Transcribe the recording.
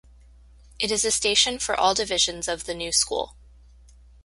It is a station for all divisions of The New School.